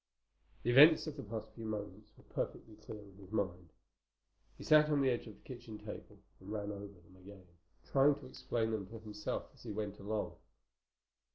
The events of the past few moments were perfectly clear in his mind. He sat on the edge of the kitchen table and ran over them again, trying to explain them to himself as he went along.